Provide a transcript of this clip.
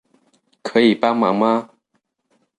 可以幫忙嗎